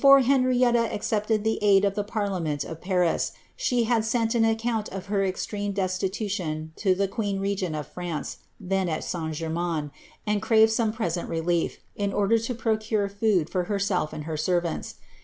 enrieita accepted the aid of the parliament of Paris, she had >unt of her extreme destitution to the queen regent of France, }ermains, and craved some present relief, in order to procure ■self and her servants.